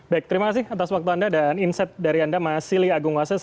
baik terima kasih atas waktu anda dan insight dari anda mas silly agungwase